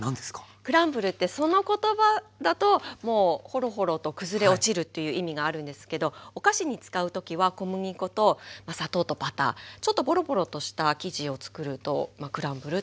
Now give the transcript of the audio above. クランブルってその言葉だともうホロホロと崩れ落ちるっていう意味があるんですけどお菓子に使う時は小麦粉と砂糖とバターちょっとボロボロとした生地をつくるとクランブルっていう意味の生地になります。